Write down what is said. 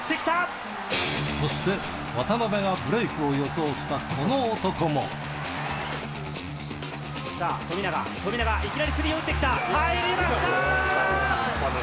そして、渡邊がブレークを予さあ、富永、富永、いきなりスリーを打ってきた、入りました。